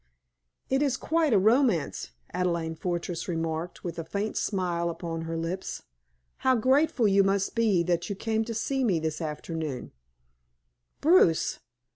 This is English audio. "It is quite a romance," Adelaide Fortress remarked, with a faint smile upon her lips. "How grateful you must be that you came to see me this afternoon, Bruce!